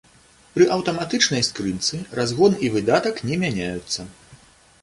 Пры аўтаматычнай скрынцы разгон і выдатак не мяняюцца.